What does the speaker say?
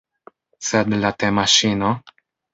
Sed la temaŝino?